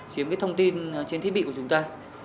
chiếm cái thông tin trên thiết bị của chúng ta